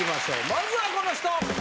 まずはこの人。